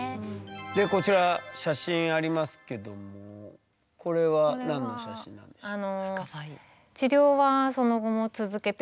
でこちら写真ありますけどもこれは何の写真なんですか？